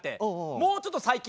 もうちょっと最近。